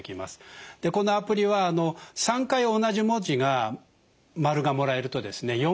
このアプリは３回同じ文字が○がもらえるとですね